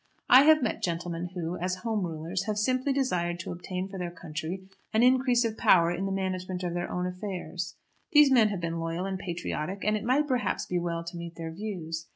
I have met gentlemen who, as Home Rulers, have simply desired to obtain for their country an increase of power in the management of their own affairs. These men have been loyal and patriotic, and it might perhaps be well to meet their views.